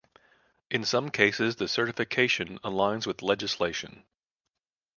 In some cases the certification aligns with legislation.